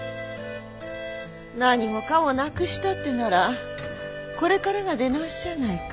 何もかもなくしたってならこれからが出直しじゃないか。